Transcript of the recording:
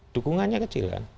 dukungannya kecil kan